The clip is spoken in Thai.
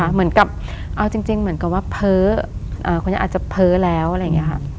เหมือนกับเอาจริงเหมือนกับว่าเพ้อคนนี้อาจจะเพ้อแล้วอะไรอย่างนี้ค่ะ